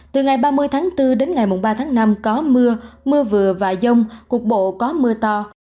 từ ngày ba mươi tháng bốn đến ngày ba tháng năm có mưa mưa vừa và dông cục bộ có mưa to